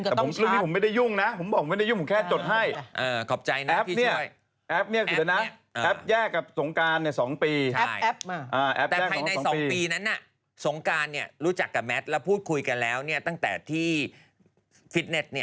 แอปมาแต่ภายใน๒ปีนั้นน่ะสงการรู้จักกับแมทแล้วพูดคุยกันแล้วตั้งแต่ที่ฟิตเณนต์๑ปี